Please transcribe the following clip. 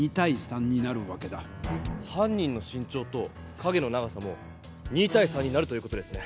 犯人の身長と影の長さも２対３になるという事ですね。